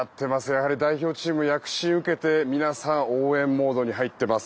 やはり代表チームの躍進を受けて皆さん応援モードに入っています。